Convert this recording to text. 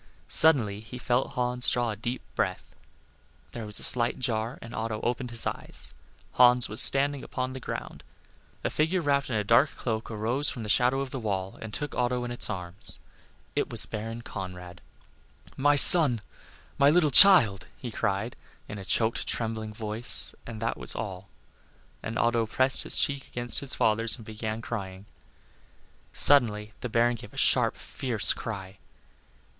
Suddenly he felt Hans draw a deep breath; there was a slight jar, and Otto opened his eyes; Hans was standing upon the ground. A figure wrapped in a dark cloak arose from the shadow of the wall, and took Otto in its arms. It was Baron Conrad. "My son my little child!" he cried, in a choked, trembling voice, and that was all. And Otto pressed his cheek against his father's and began crying. Suddenly the Baron gave a sharp, fierce cry.